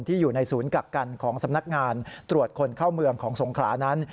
อยู่ในศูนย์กักกันของสำนักงานตรวจคนเข้าเมืองของสงขลานั้น